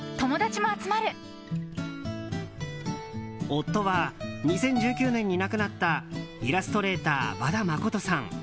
夫は２０１９年に亡くなったイラストレーター、和田誠さん。